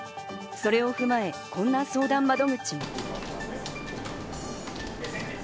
それを踏まえ、こんな相談窓口が。